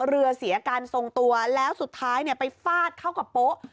เรือเสียการทรงตัวแล้วสุดท้ายไปฟาดเข้ากับโป๊ะ